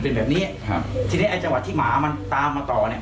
เป็นแบบนี้ครับทีนี้ไอ้จังหวัดที่หมามันตามมาต่อเนี้ย